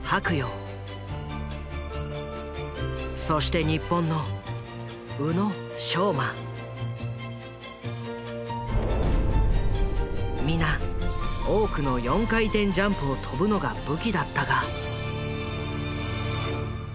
そして日本の皆多くの４回転ジャンプを跳ぶのが武器だったが。